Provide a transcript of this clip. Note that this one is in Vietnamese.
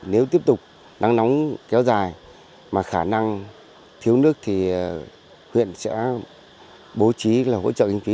nếu tiếp tục nắng nóng kéo dài mà khả năng thiếu nước thì huyện sẽ bố trí là hỗ trợ kinh phí